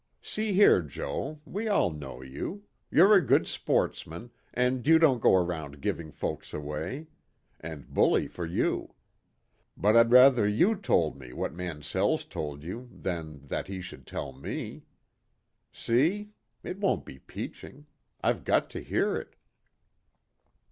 "See here, Joe, we all know you; you're a good sportsman, and you don't go around giving folks away and bully for you. But I'd rather you told me what Mansell's told you than that he should tell me. See? It won't be peaching. I've got to hear it."